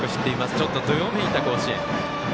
ちょっと、どよめいた甲子園。